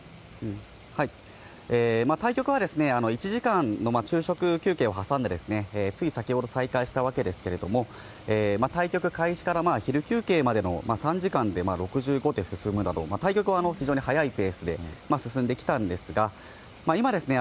対局は１時間の昼食休憩を挟んで、つい先ほど再開したわけですけれども、対局開始から昼休憩までの３時間で６５手進むなど、対局は非常に速いペースで進んできたんですが、今ですね、